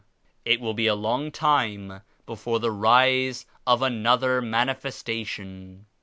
It will be a long time before the rise of another Manifestation.